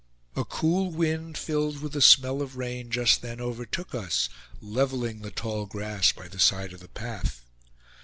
A cool wind, filled with the smell of rain, just then overtook us, leveling the tall grass by the side of the path.